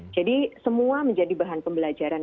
jadi semua menjadi bahan pembelajaran